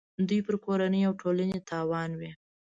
دوی پر کورنۍ او ټولنې تاوان وي.